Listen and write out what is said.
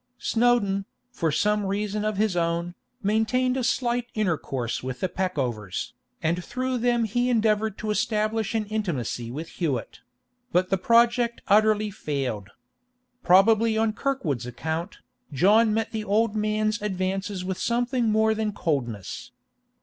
Snowdon, for some reason of his own, maintained a slight intercourse with the Peckovers, and through them he endeavoured to establish an intimacy with Hewett; but the project utterly failed. Probably on Kirkwood's account, John met the old man's advances with something more than coldness.